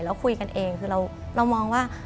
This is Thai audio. เราคุยกันเองคือเรามองว่า